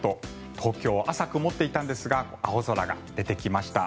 東京は朝、曇っていたんですが青空が出てきました。